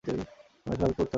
তোমার এখানে অপেক্ষা করতে হবে।